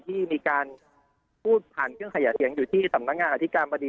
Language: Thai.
ที่มีการพูดผ่านเครื่องขยายเสียงอยู่ที่สำนักงานอธิการบดี